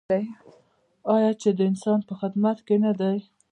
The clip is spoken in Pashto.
آیا چې د انسان په خدمت کې نه دی؟